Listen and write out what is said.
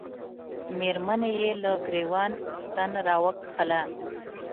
مېرمنې یې له ګرېوان ستن را وکښله.